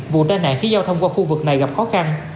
vụ tai nạn khiến giao thông qua khu vực này gặp khó khăn